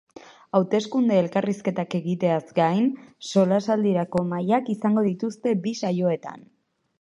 Hauteskunde elkarrizketak egiteaz gain, solasaldierako mahaiak izango dituzte bi saioetan.